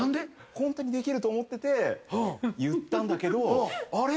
ホントにできると思ってて言ったんだけど「あれ？」